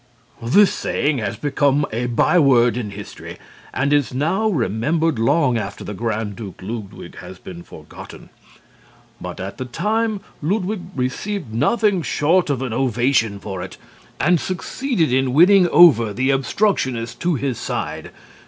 This saying has become a by word in history and is now remembered long after the Grand Duke Ludwig has been forgotten. But at the time, Ludwig received nothing short of an ovation for it, and succeeded in winning over the obstructionists to his side.